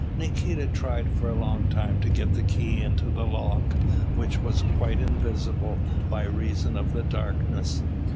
Nikita tried for a long time to get the key into the lock, which was quite invisible, by reason of the darkness.